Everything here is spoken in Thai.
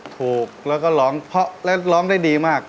ถูกแล้วก็ร้องเพราะแล้วร้องได้ดีมาก